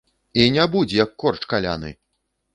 І не будзь, як корч каляны!